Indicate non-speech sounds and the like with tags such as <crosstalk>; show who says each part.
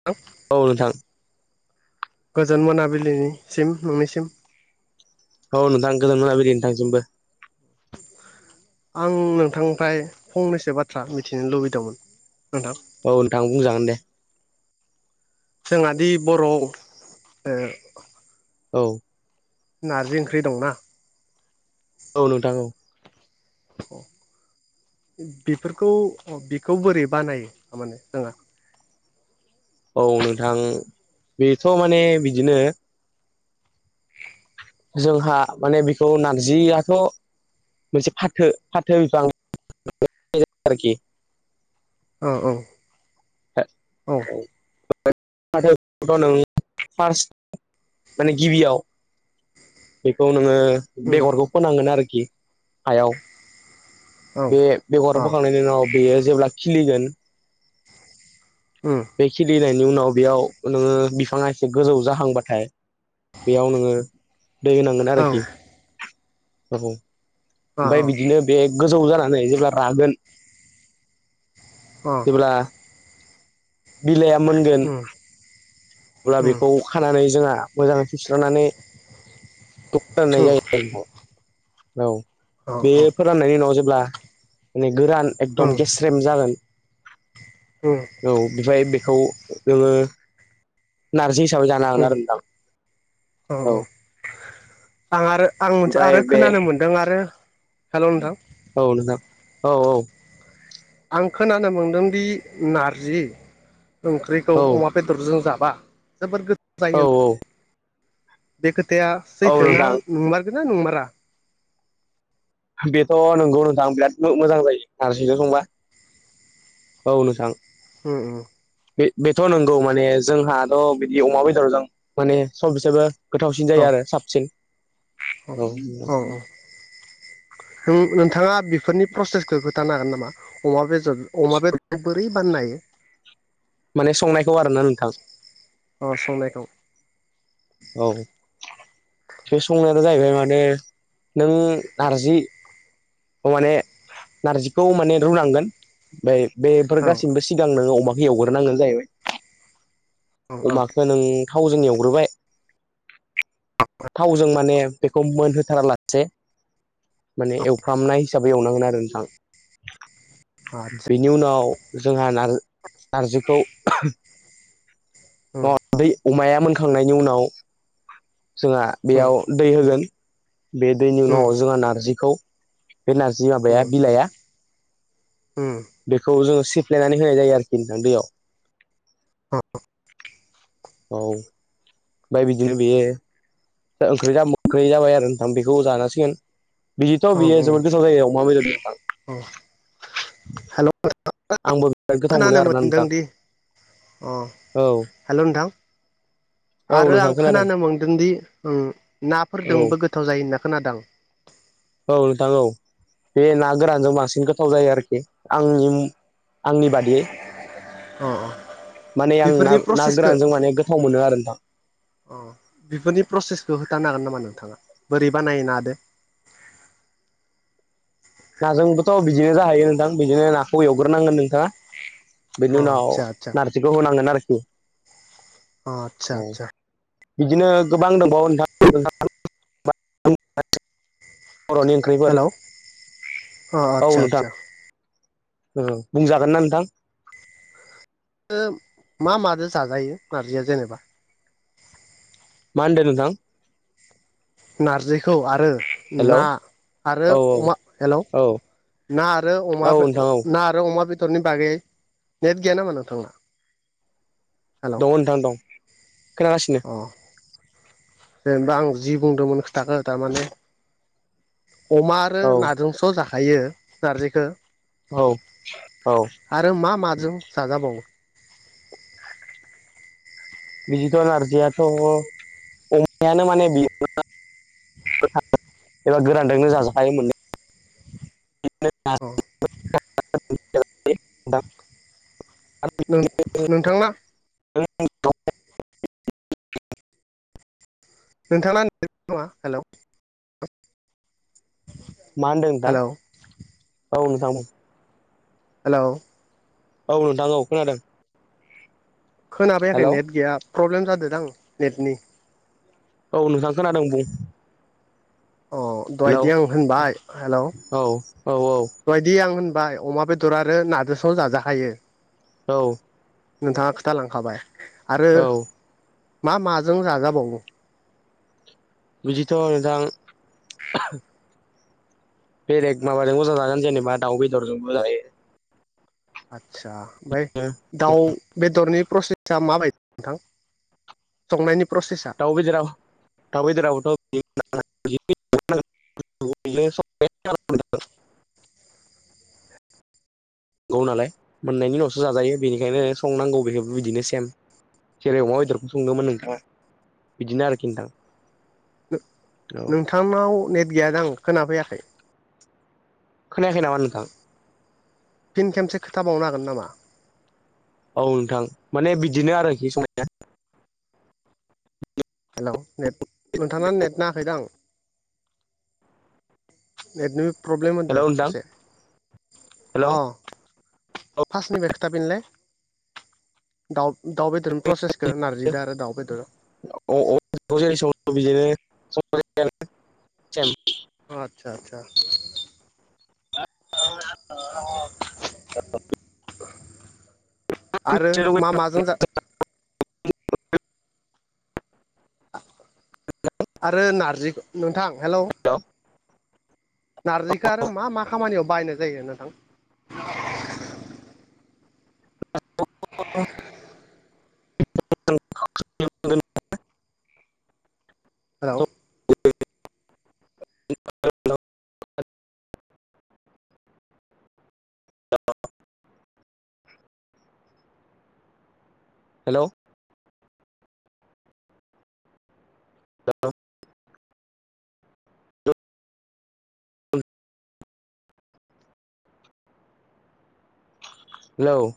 Speaker 1: <inaudible>
Speaker 2: औ नोंथां।
Speaker 1: गोजोन मोनाबिलिनि सिम नोंनिसिम।
Speaker 2: औ नोंथां गोजोन मोनाबिलि नोंथांसिमबो।
Speaker 1: आं नोंथांनिफ्राय फंनैसो बाथ्रा मिथिनो लुबैदोंमोन नोंथां?
Speaker 2: औ नोंथां बुंजागोन दे।
Speaker 1: जोंहादि बर'
Speaker 2: औ
Speaker 1: नारजि ओंख्रि दंना।
Speaker 2: औ नोंथां औ।
Speaker 1: अह बेफोरखौ बेखौ बोरै बानायो थारमाने जोंहा
Speaker 2: औ नोंथां बेथ' माने बिदिनो जोंहा माने बेखौ नारजियाथ' <unintelligible>
Speaker 1: औ-औ
Speaker 2: औ <unintelligible> फार्स्ट माने गिबियाव बेखौ नोङो
Speaker 1: उम
Speaker 2: बेगरखौ फोनांगोन आरोखि हायाव
Speaker 1: औ
Speaker 2: बे बेगराव
Speaker 1: अ
Speaker 2: बोखांनायनि उनाव बेयो जेब्ला खिलिगोन
Speaker 1: ओम।
Speaker 2: बे खिलिनायनि उनाव बेयाव नोङो बिफाङा एसे गोजौ जाहांबाथाय बेयाव नोङो दै होनांगोन
Speaker 1: औ
Speaker 2: आरोखि
Speaker 1: अ अ
Speaker 2: ओमफ्राय बिदिनो बे गोजौ जानानै जेब्ला रागोन
Speaker 1: अ
Speaker 2: बा बिलाइआ मोनगोन।
Speaker 1: <inaudible>
Speaker 2: अब्ला बेखौ खानानै जोंहा मोजाङै सुस्रांनानै नाय
Speaker 1: उम
Speaker 2: जायो आरो। औ
Speaker 1: औ
Speaker 2: बे
Speaker 1: औ
Speaker 2: फोराननायनि उनाव जेब्ला माने गोरान एकदम
Speaker 1: उम
Speaker 2: गेस्रेम जागोन
Speaker 1: उम
Speaker 2: औ बेमफ्राय बेखौ जोङो नारजि हिसाबै जानो हागोन
Speaker 1: उम
Speaker 2: आरोदां औ।
Speaker 1: आं आरो आं मोनसे
Speaker 2: ओमफ्राय
Speaker 1: आरो
Speaker 2: बे
Speaker 1: खोनानो मोनदों आरो हेल' नोंथां।
Speaker 2: औ नोंजां औ औ।
Speaker 1: आं खोनानो मोनदोंदि नारजि ओंख्रिखौ अमा बेदरजों जाबा जोबबोर
Speaker 2: औ औ
Speaker 1: बे खोथाया
Speaker 2: औ
Speaker 1: सैथो ना
Speaker 2: नोंथां
Speaker 1: नंमारगोना नंमारा
Speaker 2: बेथ' नोंगौ नोंथां बिराद मोजां जायो नारसिंजों संबा औ नोंथां
Speaker 1: उम उम
Speaker 2: बे बेथ' नंगौ माने जोंहाथ' बिदि अमा बेदर ज माने सब बिसोरबो गोथावसिन जायो आरो साबसिन
Speaker 1: अ
Speaker 2: औ
Speaker 1: औ औ नोंथाङा बेफोरनि प्रसेसखौ खिथानो हागोन नामा अमा बेदर अमा बेदरखौ बोरै बाननो हायो
Speaker 2: माने संनायखौ आरो ना नोंथां
Speaker 1: अ संनायखौ
Speaker 2: औ बे संनायानो जाहैबाय माने नों नारजि माने नारजिखौ माने रुनांगोन ओमफ्राय बेफोर
Speaker 1: औ
Speaker 2: गासिबो सिगां नोङो अमाखौ एवग्रोनांगोन जाहैबाय
Speaker 1: औ औ
Speaker 2: अमाखौ नों थावजों एवग्रोबाय थावजों माने बेखौ मोनहोथारालासे माने एवफ्रामनाय हिसाबै एवनांगोन आरो नोंथां
Speaker 1: आदसा
Speaker 2: बेनि उनाव जोंहा नारज नार्जिखौ
Speaker 1: उम
Speaker 2: दै अमाया मोनखांनायनि उनाव जोंहा
Speaker 1: उम
Speaker 2: बेयाव दै होगोन बे दैनि
Speaker 1: उम
Speaker 2: उनाव जोंङहा नारजिखौ बे नार्जि माबाया
Speaker 1: उम
Speaker 2: बिलाइआ
Speaker 1: उम
Speaker 2: बेखौ जोङो सिफ्लायनानै होनाय जायो आरोखि नोंथां दैयाव
Speaker 1: औ
Speaker 2: औ ओमफ्राय बिदिनो बेयो ओ ओंख्रि जाबाय आरो नोंथां बेखौ जानांसिगोन बिदिथ'
Speaker 1: औ
Speaker 2: बियो
Speaker 1: औ
Speaker 2: जोबोर गोथाव जायो अमा बेदरजों नोंथां
Speaker 1: औ हेल'
Speaker 2: आंबो बिराद गोथाव
Speaker 1: खोनानो
Speaker 2: मोनो आरोना नोंथां
Speaker 1: मोनदोंदि अ
Speaker 2: औ
Speaker 1: हेल' नोंथां
Speaker 2: औ
Speaker 1: आरो
Speaker 2: नोंथां
Speaker 1: आं
Speaker 2: खोनादों
Speaker 1: खोनानो मोनदोंदि
Speaker 2: औ
Speaker 1: नाफोरजोंबो गोथाव जायो ना खोनादां
Speaker 2: औ नोंथां औ बे ना गोरानजों बांसिन गोथाव जायो आरोखि आंनि आंनि बादियै
Speaker 1: औ
Speaker 2: माने आं ना ना गोरानजों माने गोथाव मोनो आरो नोंथां
Speaker 1: अ बेफोरनि प्रसेसखौ होथानो हागोन नामा नोंथाङा बोरै बानायो नादो
Speaker 2: नाजोंबोथ' बिदिनो जाहैयो नोंथां बिदिनो नाखौ एवग्रोनांगोन नोंथाङा बेनि
Speaker 1: अ
Speaker 2: उनाव
Speaker 1: आदसा आदसा
Speaker 2: नारजिखौ होनांगोन आरोखि
Speaker 1: अ आतसा आसा
Speaker 2: बिदिनो गोबां दंबावो नोंथां <unintelligible> बर'नि <unintelligible>
Speaker 1: हेलौ अ आतसा
Speaker 2: नोंथां
Speaker 1: आतसा
Speaker 2: औ बुंजागोन ना नोंथां
Speaker 1: <unintelligible> मा मादो जाजायो नारजिया जेनेबा?
Speaker 2: मा होनदों नोंथां?
Speaker 1: नारजिखौ आरो
Speaker 2: हेलौ
Speaker 1: ना आरो
Speaker 2: औ
Speaker 1: अमा हेल'
Speaker 2: औ
Speaker 1: ना आरो
Speaker 2: औ
Speaker 1: अमा
Speaker 2: नोंथां औ
Speaker 1: ना आरो अमा बेदरनि बागै नेट गैया नामा नों थांना? हेल' अ
Speaker 2: दङ नोंथां दं खोनागासिनो
Speaker 1: जेनेबा आं जि बुंदोंमोन खोथाखौ थारमाने अमा आरो
Speaker 2: औ
Speaker 1: नाजोंस' जाखो हायो नारजिखौ
Speaker 2: औ औ
Speaker 1: आरो मा माजों जाजाबावो
Speaker 2: बिजिथ' नारजियाथ' अमायानो माने बि <unintelligible> गोरानदोंनो <unintelligible>
Speaker 1: औ।
Speaker 2: <unintelligible>
Speaker 1: नों नोंथांना
Speaker 2: <unintelligible>
Speaker 1: नोंथांना नेट नाङा हेल'।
Speaker 2: मा होनदों नोंथां
Speaker 1: हेलौ
Speaker 2: औ नोंथां बुं।
Speaker 1: हेल'
Speaker 2: औ नोंथां औ खोनादों।
Speaker 1: खोनाफैयाखै
Speaker 2: हेलौ
Speaker 1: नेट गैया प्रब्लेम जादोंदां नेटनि।
Speaker 2: औ नोंथां खोनादों बुं।
Speaker 1: अ
Speaker 2: हेल' औ
Speaker 1: दहायदि आं होनबाय हेलौ
Speaker 2: औ औ।
Speaker 1: दहायदि आं होनबाय अमा बेदर आरो नाजि <unintelligible> जाजाखायो।
Speaker 2: औ।
Speaker 1: नोंथाङा खिथालांखाबाय आरो
Speaker 2: औ
Speaker 1: मा माजों जाजाबावो?
Speaker 2: बिदिथ' नोंथां बेलेग माबाजोंबो जागोन जेनेबा दाउ बेदरजोंबो जायो।
Speaker 1: आदसा ओमफ्राय दाउ बेदरनि प्रसे सा माबायदि नोंथां संनायनि प्रसेसा?
Speaker 2: दाव बेदराव दाव बेदराव <unintelligible> <unintelligible> नंगौ नालाय मोननायनि उनावसो जाजायो बेनिखायनो संनांगौ बेखौ बिदिनो सेम। जेरै अमा बेदरखौ संदोंमोन नोंथाङा बिदिनो आरोखि नोंथां। औ
Speaker 1: नोंथांनाव नेट गैयादां खोनाफैयाखै।
Speaker 2: खोनायाखै नामा? नोंथां
Speaker 1: फिन खेमसे खोथाबावनो हागोन नामा?
Speaker 2: औ नोंथां माने बिदिनो आरोखि संनाया। <unintelligible>
Speaker 1: हेलौ नेट नोंथाङा नेट नाङाखैदां। नेटनि प्रब्लेम होदों
Speaker 2: हेलौ नोंथां
Speaker 1: एसे।
Speaker 2: हेलौ
Speaker 1: अ फारसनिफ्राय खिथाफिनलाय। दाउ दाउ बेदरनि प्रसेसखौ नारजिदों आरो दाउ बेदर।
Speaker 2: <unintelligible>
Speaker 1: अ आतसा आतसा।
Speaker 2: <unintelligible>
Speaker 1: आरो
Speaker 2: सेम।
Speaker 1: मा माजों जा आरो नारजिखौ नोंथां हेल'
Speaker 2: हेल'
Speaker 1: नारजिखौ आरो मा मा खामानियाव बायनाय जायो नोंथां?
Speaker 2: <unintelligible>
Speaker 1: हेल'
Speaker 2: <inaudible> औ' <unintelligible> हेलौ दा हेलौ